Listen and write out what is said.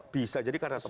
bisa jadi karena tempat